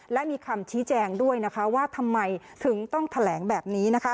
และมีคำชี้แจงด้วยนะคะว่าทำไมถึงต้องแถลงแบบนี้นะคะ